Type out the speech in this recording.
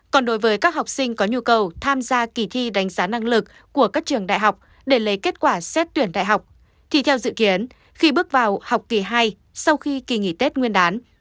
còn đối với các học sinh có nhu cầu tham gia kỳ thi đánh giá năng lực của các trường đại học để lấy kết quả xét tuyển đại học thì theo dự kiến khi bước vào học kỳ hai sau khi kỳ nghỉ tết nguyên đán